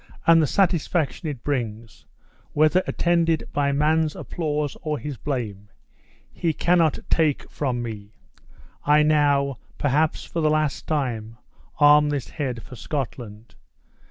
and the satisfaction it brings, whether attended by man's applause or his blame, he cannot take from me. I now, perhaps for the last time, arm this head for Scotland.